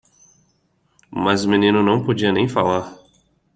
Mas o menino não podia nem falar.